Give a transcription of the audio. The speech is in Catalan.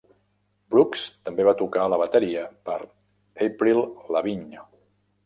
Brooks també va tocar la bateria per Avril Lavigne.